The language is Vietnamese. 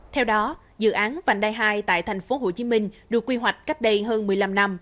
theo đó dự án vành đai hai tại tp hcm được quy hoạch cách đây hơn một mươi năm năm